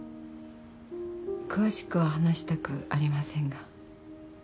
詳しくは話したくありませんが。